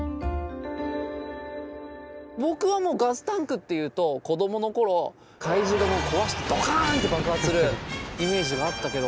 僕はもうガスタンクっていうと子供の頃怪獣が壊してドカーン！って爆発するイメージがあったけど。